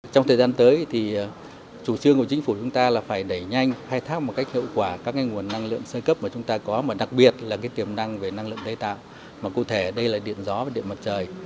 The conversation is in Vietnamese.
trong thời gian tới thì chủ trương của chính phủ chúng ta là phải đẩy nhanh khai thác một cách hiệu quả các nguồn năng lượng sơ cấp mà chúng ta có mà đặc biệt là tiềm năng về năng lượng tái tạo mà cụ thể đây là điện gió và điện mặt trời